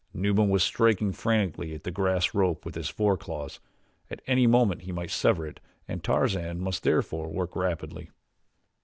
Numa was striking frantically at the grass rope with his fore claws. At any moment he might sever it and Tarzan must, therefore, work rapidly.